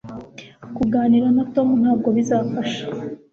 Kuganira na Tom ntabwo bizafasha